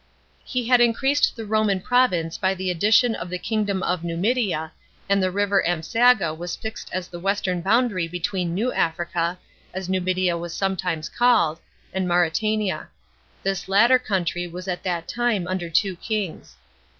He had increased the Roman province by the addition of the kingdom of Numidia, and the river Ampsaga was fixed as the western boundary between New Africa, as Numidia was sometimes called, and Mauretania. This latter country was at that time under two kings.